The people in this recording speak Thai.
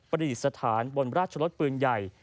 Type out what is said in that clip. ประดิษฐานบนราชล๊ดปืนใหญ่